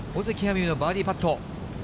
美悠のバーディーパット。